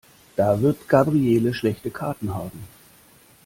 Da wird Gabriele schlechte Karten haben.